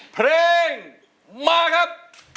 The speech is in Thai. เพลงมาครับ